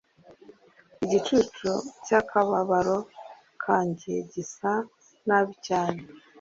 Igicucu cyakababaro kanjye gisa nabi cyane